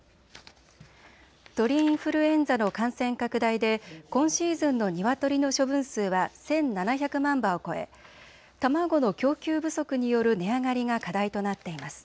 鳥インフルエンザの感染拡大で今シーズンのニワトリの処分数は１７００万羽を超え卵の供給不足による値上がりが課題となっています。